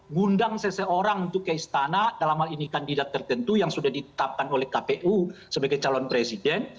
ngundang seseorang untuk ke istana dalam hal ini kandidat tertentu yang sudah ditetapkan oleh kpu sebagai calon presiden